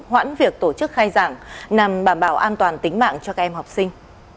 hoãn việc tổ chức khai giảng nằm bảm bảo an toàn tính mạng cho các em học sinh